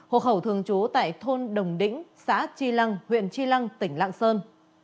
hộ khẩu thường chú tại thôn đồng đĩnh xã tri lăng huyện tri lăng tỉnh lạng sơn